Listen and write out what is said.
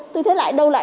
tôi thấy lại đâu lại